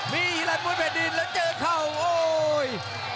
มีอีรันมุ้นแผ่นดินแล้วเจอเข้าโอ้ย